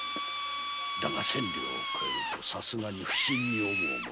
〔だが千両を超えるとさすがに不審に思う者も現れる〕